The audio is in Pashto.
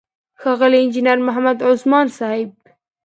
ښاغلی انجينر محمد عثمان صيب،